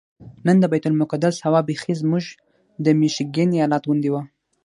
نن د بیت المقدس هوا بیخي زموږ د میشیګن ایالت غوندې وه.